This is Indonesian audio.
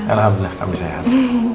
alhamdulillah kami sehat